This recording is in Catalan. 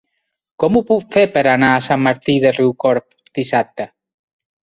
Com ho puc fer per anar a Sant Martí de Riucorb dissabte?